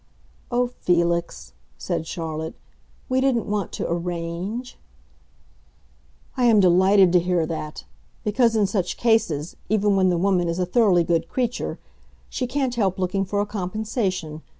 "Oh, Felix," said Charlotte, "we didn't want to 'arrange.'" "I am delighted to hear that. Because in such cases—even when the woman is a thoroughly good creature—she can't help looking for a compensation.